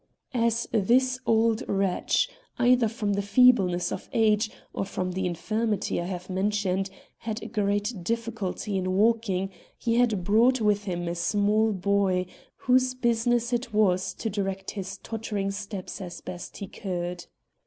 As this old wretch, either from the feebleness of age or from the infirmity I have mentioned, had great difficulty in walking, he had brought with him a small boy, whose business it was to direct his tottering steps as best he could.